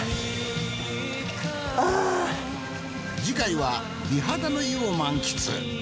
次回は美肌の湯を満喫。